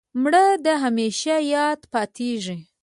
مړه د همېشه یاد پاتېږي